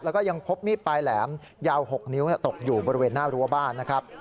แล้วก็ยังพบมีดปลายแหลมยาว๖นิ้วตกอยู่บริเวณหน้ารั้วบ้านนะครับ